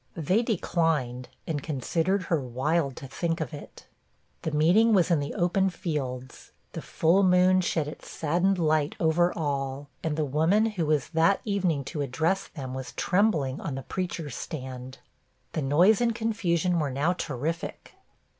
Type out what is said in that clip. They declined, and considered her wild to think of it. The meeting was in the open fields the full moon shed its saddened light over all and the woman who was that evening to address them was trembling on the preachers' stand. The noise and confusion were now terrific.